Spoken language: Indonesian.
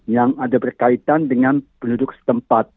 yang ada berkaitan dengan penduduk setempat